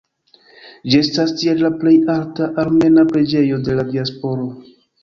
Ĝi estas tiel la plej alta armena preĝejo de la diasporo.